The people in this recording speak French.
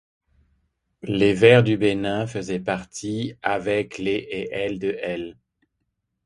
Les Verts du Bénin faisaient partie, avec les et l', de l'.